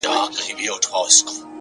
• زما د زړه د كـور ډېـوې خلگ خبــري كوي،